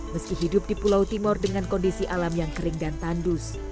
meski hidup di pulau timur dengan kondisi alam yang kering dan tandus